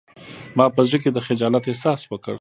ما په زړه کې د خجالت احساس وکړ